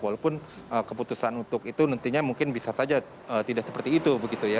walaupun keputusan untuk itu nantinya mungkin bisa saja tidak seperti itu begitu ya